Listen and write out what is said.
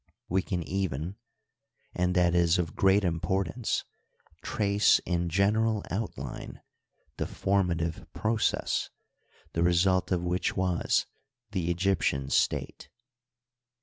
We can even — ^and that is of great importance — ^trace in general outline the formative process, the result of which was the Egyptian state.